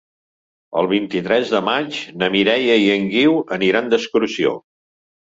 El vint-i-tres de maig na Mireia i en Guiu aniran d'excursió.